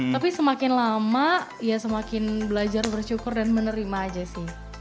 tapi semakin lama ya semakin belajar bersyukur dan menerima aja sih